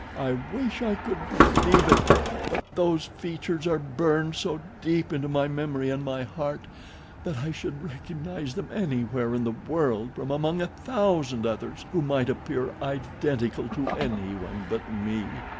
"I wish I could believe it, but those features are burned so deep into my memory and my heart that I should recognize them anywhere in the world from among a thousand others, who might appear identical to any one but me."